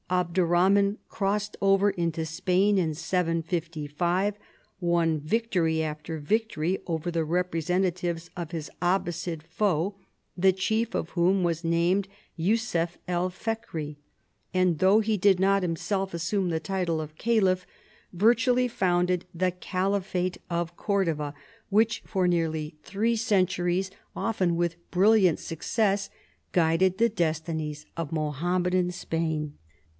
Abderrabman crossed over into Spain (755), won victory after victory over the representatives of his Abbaside foe, the chief of whom was named Yussuf el Fekri, and (though he did not himself assume tbe title of caliph), virtually founded the Caliphate of Cordova which, for nearly three 192 CHARLEMAGNE. centuries, often with brilliant success, guided the destinies of Mohammedan Spain.